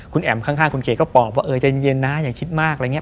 คุณแอมข้างคุณเคก็บอกว่าเย็นนะอย่าคิดมากอะไรอย่างเงี้ย